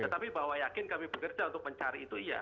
tetapi bahwa yakin kami bekerja untuk mencari itu iya